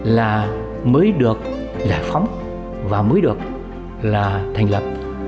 là mới được giải phóng và mới được là thành lập